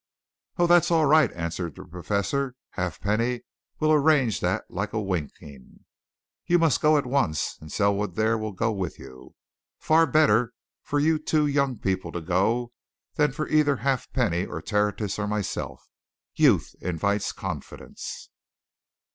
"Oh, that's all right," answered the Professor. "Halfpenny will arrange that like winking. You must go at once and Selwood there will go with you. Far better for you two young people to go than for either Halfpenny, or Tertius, or myself. Youth invites confidence."